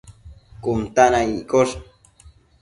cun ta na iccosh